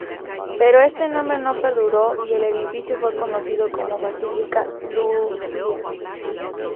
Pero este nombre no perduró y el edificio fue conocido como "Basilica Iulia".